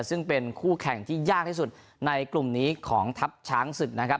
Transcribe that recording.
ซึ่งเป็นคู่แข่งที่ยากที่สุดในกลุ่มนี้ของทัพช้างศึกนะครับ